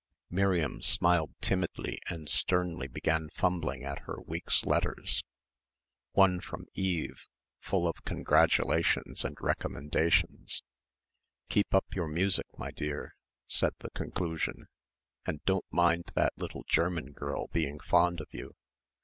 Miriam smiled timidly and sternly began fumbling at her week's letters one from Eve, full of congratulations and recommendations "Keep up your music, my dear," said the conclusion, "and don't mind that little German girl being fond of you.